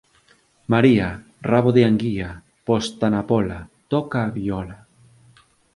María, rabo de anguía, posta na póla, toca a viola